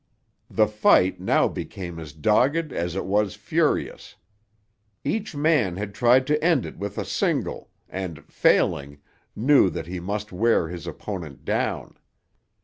The fight now became as dogged as it was furious. Each man had tried to end it with a single and, failing, knew that he must wear his opponent down.